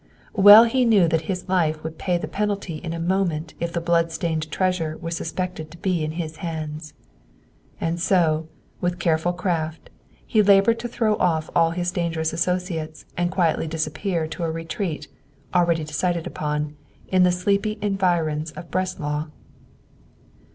Well he knew that his life would pay the penalty in a moment if the blood stained treasure were suspected to be in his hands. And so, with careful craft, he labored to throw off all his dangerous associates and quietly disappear to a retreat, already decided upon, in the sleepy environs of Breslau.